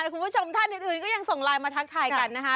คุณผู้ชมท่านอื่นก็ยังส่งไลน์มาทักทายกันนะคะ